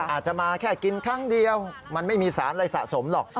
อาจจะมาแค่กินครั้งเดียวมันไม่มีสารอะไรสะสมหรอก